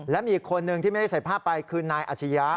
แล้วมีอีกคนนึงที่ไม่ได้ใส่ภาพไปคือนายอัชยะใช่